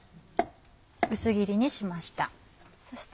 薄切りにしました。